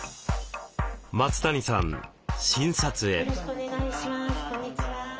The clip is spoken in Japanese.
松谷さん診察へ。